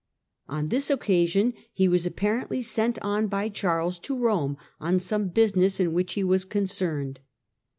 On this occa sion he was apparently sent on by Charles to Rome on some business in which he was concerned.